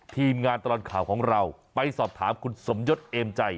ทีมงานตลอดข่าวของเราไปสอบถามคุณสมยศเอมใจ